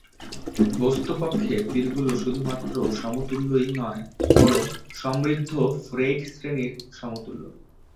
বস্তুপক্ষে, তীরগুলো শুধুমাত্র সমতুল্যই নয়, বরং সমৃদ্ধ ফ্রেইড শ্রেণীর সমতুল্য।